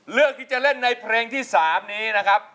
เลือกที่จะเล่นในเพลงที่๓นี้นะครับ